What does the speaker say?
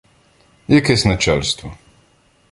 — Якесь начальство.